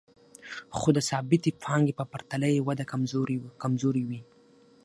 خو د ثابتې پانګې په پرتله یې وده کمزورې وي